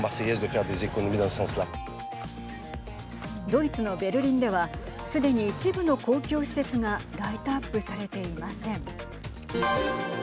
ドイツのベルリンではすでに一部の公共施設がライトアップされていません。